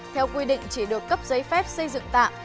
theo quy định chỉ được cấp giấy phép xây dựng tạm